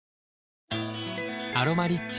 「アロマリッチ」